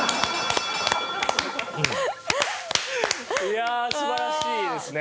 いやあ素晴らしいですね。